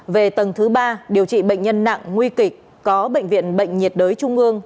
về tầng thứ ba điều trị bệnh nhân nặng nguy kịch có bệnh viện bệnh nhiệt đới trung ương